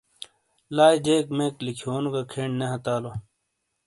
لائی جیک میک لکھینو گہ کھین نے ہتالو ۔